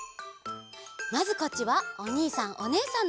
まずこっちはおにいさんおねえさんのえ。